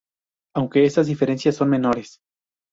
Aunque estas diferencias son menores.